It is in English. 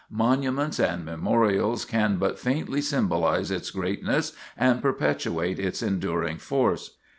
Monuments and memorials can but faintly symbolize its greatness and perpetuate its enduring force.